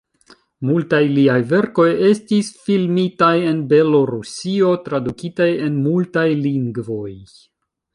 Multaj liaj verkoj estis filmitaj en Belorusio, tradukitaj en multaj lingvoj.